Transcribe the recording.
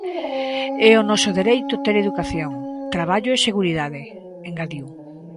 "É o noso dereito ter educación, traballo e seguridade", engadiu.